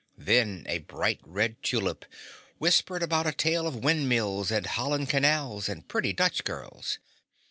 Then a bright red tulip whispered about a tale of wind mills and Holland canals and pretty Dutch girls.